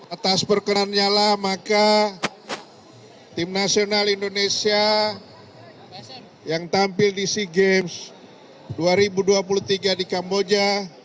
atas perkenan nyala maka tim nasional indonesia yang tampil di sea games dua ribu dua puluh tiga di kamboja